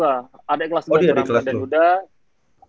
adek kelas gue di ramadan yuda